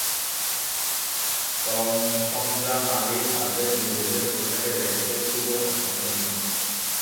তঞ্চঙ্গ্যা নারী তাদের নিজস্ব পোশাকে দেখতে খুবই আকর্ষণীয়।